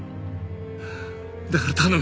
だから頼む。